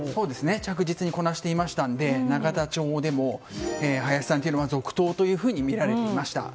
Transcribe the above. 着実にこなしていましたので永田町でも林さんというのは続投とみられていました。